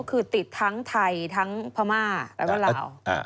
ก็คือติดทั้งไทยทั้งพม่าและวันเหล่า